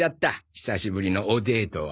久しぶりのおデートは。